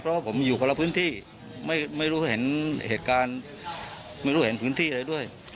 เพราะว่าผมอยู่คนละพื้นที่ไม่รู้เห็นเหตุการณ์ไม่รู้เห็นพื้นที่อะไรด้วย